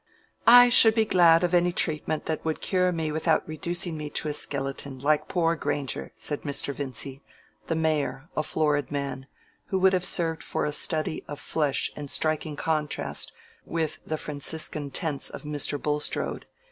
"I should be glad of any treatment that would cure me without reducing me to a skeleton, like poor Grainger," said Mr. Vincy, the mayor, a florid man, who would have served for a study of flesh in striking contrast with the Franciscan tints of Mr. Bulstrode.